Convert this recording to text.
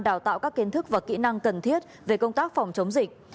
đào tạo các kiến thức và kỹ năng cần thiết về công tác phòng chống dịch